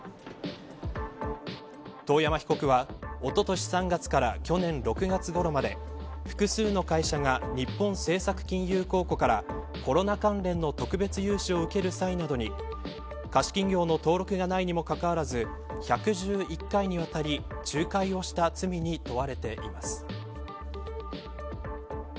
遠山被告はおととし３月から去年６月ごろまで複数の会社が日本政策金融公庫からコロナ関連の特別融資を受ける際などに貸金業の登録がないにもかかわらず１１１回にわたり仲介をした罪に問われています。